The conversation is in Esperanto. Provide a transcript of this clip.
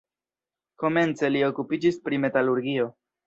Komence li okupiĝis pri metalurgio.